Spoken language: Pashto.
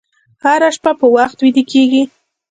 هره شپه په وخت ویده کېږئ.